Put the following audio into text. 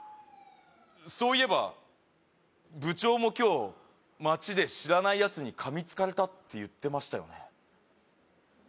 そういえば部長も今日街で知らない奴に噛みつかれたって言ってましたよね